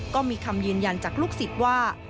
ก็มีคำยืนยันจากลูกศิษย์ว่า